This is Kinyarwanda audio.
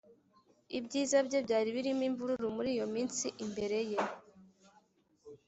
ibyiza bye byari birimo imvururu muri iyo minsi imbere ye